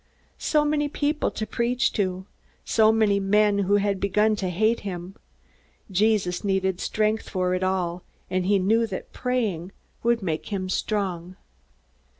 So many people to preach to! So many men who had begun to hate him! Jesus needed strength for it all, and he knew that praying would make him strong.